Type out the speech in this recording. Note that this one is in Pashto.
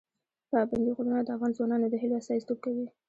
پابندي غرونه د افغان ځوانانو د هیلو استازیتوب کوي.